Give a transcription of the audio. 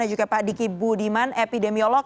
dan juga pak diki budiman epidemiolog